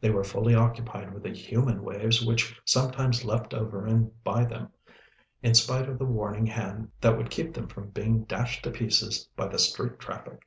They were fully occupied with the human waves which sometimes leaped over and by them, in spite of the warning hand that would keep them from being dashed to pieces by the street traffic.